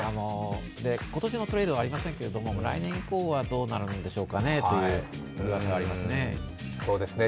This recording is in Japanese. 今年のトレードはありませんけれども来年以降はどうなるんでしょうかねといううわさがありますね。